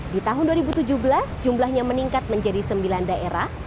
di tahun dua ribu tujuh belas jumlahnya meningkat menjadi sembilan daerah